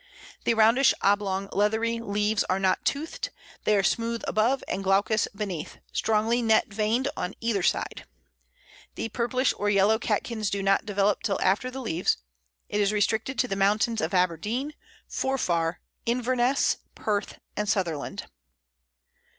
The roundish oblong, leathery leaves are not toothed; they are smooth above and glaucous beneath, strongly net veined on either side. The purplish or yellow catkins do not develop till after the leaves. It is restricted to the mountains of Aberdeen, Forfar, Inverness, Perth, and Sutherland.